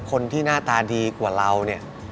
คนที่หน้าตาดีกว่าเราเนี่ย